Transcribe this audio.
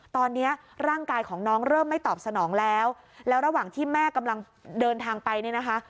ตอนนี้ร่างกายของน้องเริ่มไม่ตอบสนองแล้วแล้วระหว่างที่แม่กำลังเดินทางไปเนี่ยนะคะ